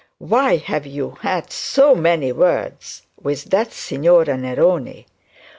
Why have you had so may words with that Signora Neroni?